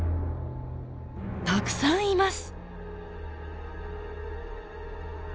たくさんいます。